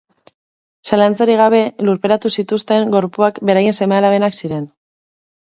Zalantzarik gabe lurperatu zituzten gorpuak beraien seme-alabenak ziren.